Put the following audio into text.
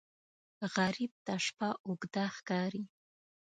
غریب ته شپه اوږده ښکاري